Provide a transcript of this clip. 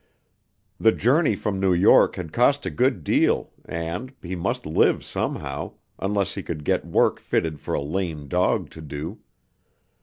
The journey from New York had cost a good deal, and he must live somehow, unless he could get work fitted for a "lame dog" to do.